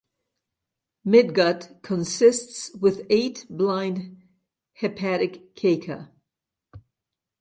Midgut consists with eight blind hepatic caeca.